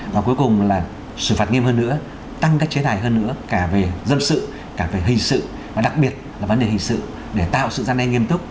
và cuối cùng là xử phạt nghiêm hơn nữa tăng các chế tài hơn nữa cả về dân sự cả về hình sự và đặc biệt là vấn đề hình sự để tạo sự gian đe nghiêm túc